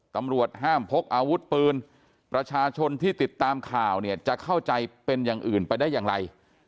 ตำรวจห้ามพกอาวุธปืนประชาชนที่ติดตามข่าวเนี่ยจะเข้าใจเป็นอย่างอื่นไปได้อย่างไร